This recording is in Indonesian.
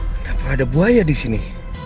kenapa ada buaya di sini